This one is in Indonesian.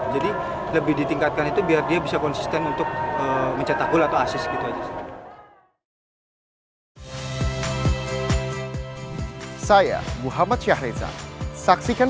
jadi lebih ditingkatkan itu biar dia bisa konsisten untuk mencetak gol atau asis gitu aja sih